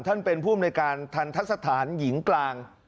ท่านเป็นผู้มีรายการทันทัศน์ธานหญิงกลาง